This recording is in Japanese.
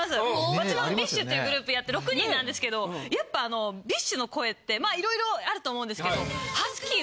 うちもＢｉＳＨってグループやって６人なんですけどやっぱＢｉＳＨの声ってまあ色々あると思うんですけど。